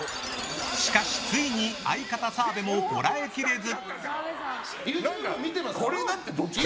しかし、ついに相方・澤部もこらえきれず。